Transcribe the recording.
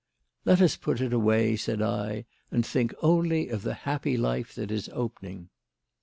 "Let us put it away," said I, "and think only of the happy life that is opening."